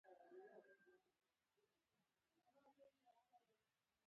ما نه یوازې دغه درې اهرامونه ولیدل.